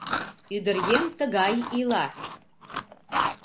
«Ӱдыръеҥ тыгай ила